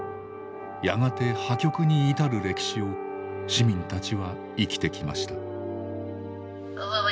やがて破局に至る歴史を市民たちは生きてきました。